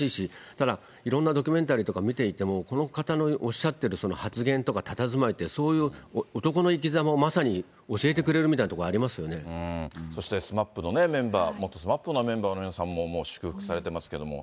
ただ、いろんなドキュメンタリーとか見ていても、この方のおっしゃってる発言とかたたずまいって、そういう男の生きざまをまさに教えてくれるみたいなところありまそしてＳＭＡＰのメンバー、元ＳＭＡＰのメンバーの皆さんも祝福されてますけども。